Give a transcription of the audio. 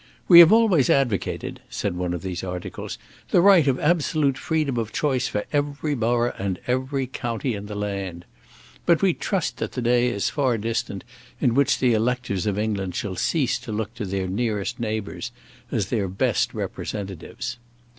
"We have always advocated," said one of these articles, "the right of absolute freedom of choice for every borough and every county in the land; but we trust that the day is far distant in which the electors of England shall cease to look to their nearest neighbours as their best representatives."